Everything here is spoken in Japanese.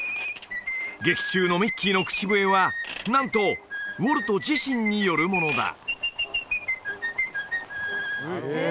劇中のミッキーの口笛はなんとウォルト自身によるものだへえ・